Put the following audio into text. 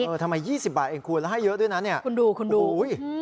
เออทำไมยี่สิบบาทเองควรแล้วให้เยอะด้วยนะเนี่ยคุณดูคุณดู